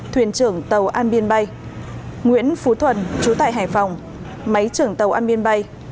thuyền trưởng tàu an biên bay nguyễn phú thuần chú tại hải phòng máy trưởng tàu an biên bay